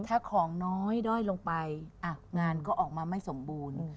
ถ้าของน้อยด้อยลงไปงานก็ออกมาไม่สมบูรณ์